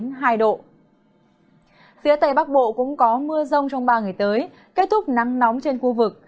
phía tây bắc bộ cũng có mưa rông trong ba ngày tới kết thúc nắng nóng trên khu vực